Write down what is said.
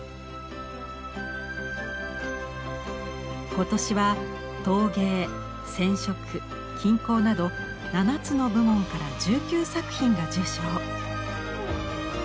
今年は陶芸染織金工など７つの部門から１９作品が受賞。